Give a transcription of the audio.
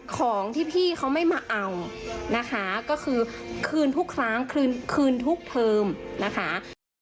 ของที่พี่เขาไม่มาเอานะคะก็คือคืนทุกครั้งคืนคืนทุกเทอมนะคะ